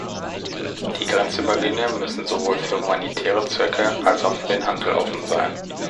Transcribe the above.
Die Grenzübergänge müssen sowohl für humanitäre Zwecke als auch für den Handel offen sein.